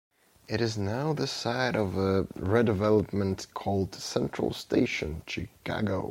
It is now the site of a redevelopment called Central Station, Chicago.